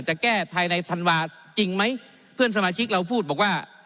จะแก้ภายในธันวาจริงไหมเพื่อนสมาชิกเราพูดบอกว่า